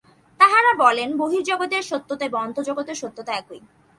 তাঁহারা বলেন, বহির্জগতের সত্যতা এবং অন্তর্জগতের সত্যতা একই।